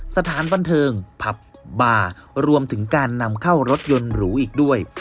สถานบันเทิงผับบาร์รวมถึงการนำเข้ารถยนต์หรูอีกด้วย